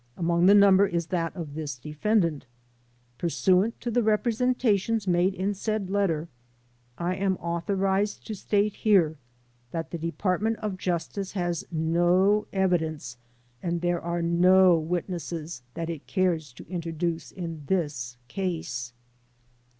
Among the number is that of this defendant Pursuant to the representations made in said letter, I am authorized to state here that the Department of Justice has no evidence and there are no witnesses that it cares to introduce in this case."